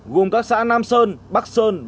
gồm các xã nam sơn bắc sơn